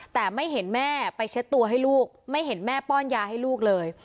แต่ไม่เห็นแม่ไปเช็ดตัวให้ลูกไม่เห็นแม่ป้อนยาให้ลูกเลย